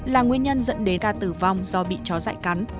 là nguyên nhân dẫn đến ca tử vong do bị chó dại cắn